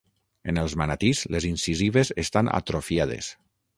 En els manatís, les incisives estan atrofiades.